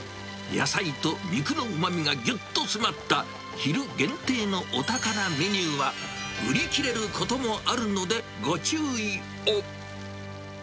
野菜と肉のうまみがぎゅっと詰まった、昼限定のお宝メニューは、売り切れることもあるのでご注意を。